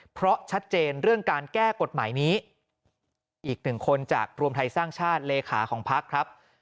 เพราะชัดเจนเรื่องการแก้กฎหมายนี้อีกหนึ่งคนจากรวมไทยสร้างชาติเลขาของพักครับ